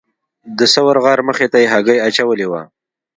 د ثور غار مخې ته یې هګۍ اچولې وه.